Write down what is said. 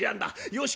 よし！